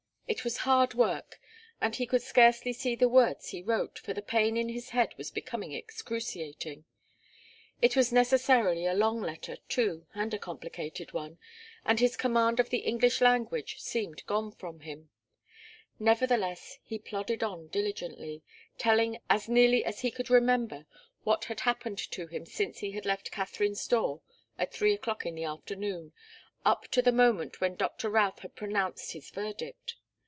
It was hard work, and he could scarcely see the words he wrote, for the pain in his head was becoming excruciating. It was necessarily a long letter, too, and a complicated one, and his command of the English language seemed gone from him. Nevertheless, he plodded on diligently, telling as nearly as he could remember what had happened to him since he had left Katharine's door at three o'clock in the afternoon, up to the moment when Doctor Routh had pronounced his verdict.